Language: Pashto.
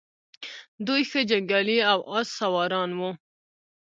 دوی ښه جنګیالي او آس سواران وو